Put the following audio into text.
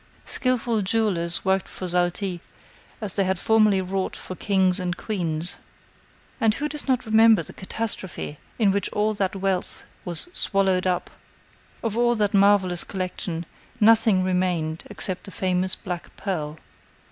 Skilful jewelers worked for Zalti as they had formerly wrought for kings and queens. And who does not remember the catastrophe in which all that wealth was swallowed up? Of all that marvelous collection, nothing remained except the famous black pearl.